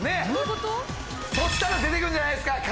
そしたら出て来るんじゃないですか。